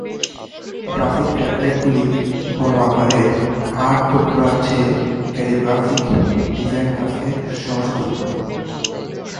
Graphic ট্যাবলেটগুলি বড় আকারের আর্ট টুকরার চেয়ে ক্যালিগ্রাফিক ডিজাইন কাজকে সহজতর করে।